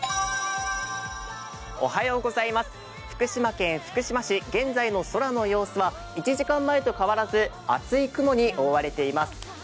福島県福島市、現在の空の様子は１時間前と変わらず、厚い雲に覆われています。